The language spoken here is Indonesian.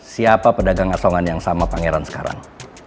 siapa pedagang asongan yang sama pangeran sekarang